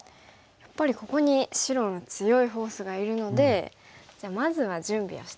やっぱりここに白の強いフォースがいるのでじゃあまずは準備をしてみます。